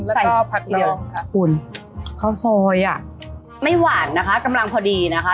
แล้วก็ผัดลองค่ะข้าวซอยอ่ะไม่หวานนะคะกำลังพอดีนะคะ